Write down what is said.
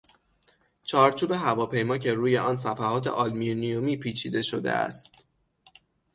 چهارچوب هواپیما که روی آن صفحات آلومینیمی پیچ شده است